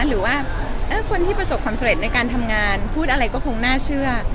หรือว่าคนที่ประสบความสำเร็จในการทำงานพูดอะไรก็คงน่าเชื่อ